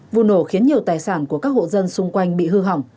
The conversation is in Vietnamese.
vụ nổ khiến nhiều tài sản của các hộ dân xung quanh bị hư hỏng